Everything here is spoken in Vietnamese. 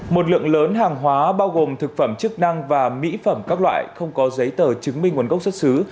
một lượng lớn hàng hóa bao gồm thực phẩm chức năng và mỹ phẩm các loại không có giấy tờ chứng minh nguồn gốc xuất xứ